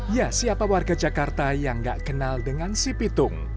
ya siapa warga jakarta yang gak kenal dengan si pitung